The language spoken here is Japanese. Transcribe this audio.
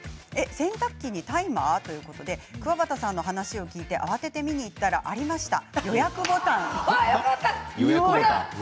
洗濯機にタイマー？ということでくわばたさんの話を聞いて慌てて見に行ったらありました。